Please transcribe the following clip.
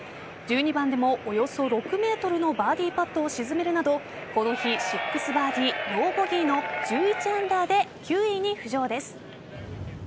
１２番でもおよそ６ｍのバーディーパットを沈めるなどこの日６バーディー、ノーボギーの１１アンダーで９位に浮上です。